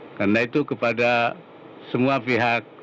karena itu kepada semua pihak